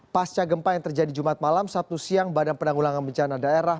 pasca gempa yang terjadi jumat malam sabtu siang badan penanggulangan bencana daerah